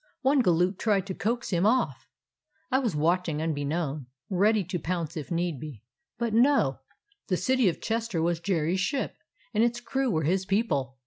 One galoot tried to coax him off. I was watching unbeknown, ready to pounce if need be. But no ! The City of Cluster was Jerry's ship, and its crew were his people.